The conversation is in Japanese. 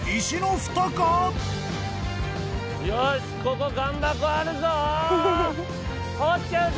よしここ岩箱あるぞ！